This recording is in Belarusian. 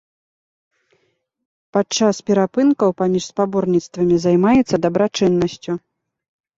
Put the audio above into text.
Падчас перапынкаў паміж спаборніцтвамі займаецца дабрачыннасцю.